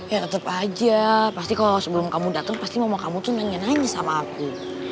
ya tetap aja pasti kok sebelum kamu datang pasti mama kamu tuh nanya nanya sama aku